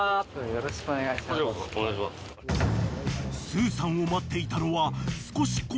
［すーさんを待っていたのは少し］